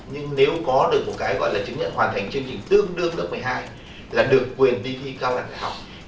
nhưng nếu có được một cái gọi là chứng nhận hoàn thành chương trình tương đương lớp một mươi hai là được quyền vi thi cao đẳng học